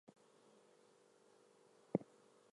Minogue has won six awards from nine nominations.